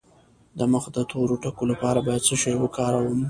د مخ د تور ټکو لپاره باید څه شی وکاروم؟